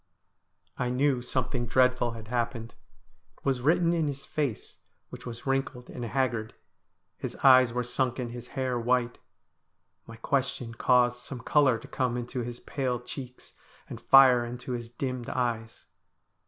I knew something dreadful had happened. It was written in his face, which was wrinkled and haggard. His eyes were sunken, his hair white. My question caused some colour to come into his pale cheeks, and fire into his dimmed eyes.